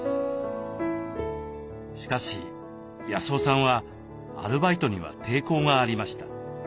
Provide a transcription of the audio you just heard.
しかし康雄さんはアルバイトには抵抗がありました。